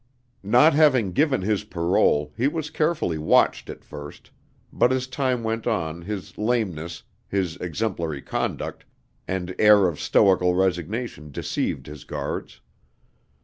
Not having given his parole, he was carefully watched at first, but as time went on his lameness, his exemplary conduct, and air of stoical resignation deceived his guards.